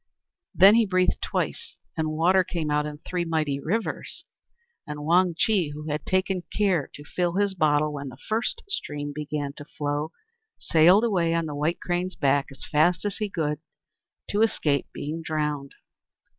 Then he breathed twice, and the water came out in three mighty rivers, and Wang Chih, who had taken care to fill his bottle when the first stream began to flow, sailed away on the White Crane's back as fast as he could, to escape being drowned.